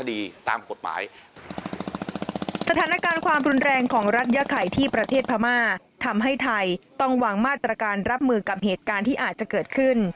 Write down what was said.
สถานการณ์ความรุนแรงของรัฐยาไข่ที่ประเทศพม่าทำให้ไทยต้องวางมาตรการรับมือกับเหตุการณ์ที่อาจจะเกิดขึ้น